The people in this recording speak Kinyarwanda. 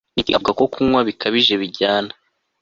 Nikki avuga ko kunywa bikabije bijyana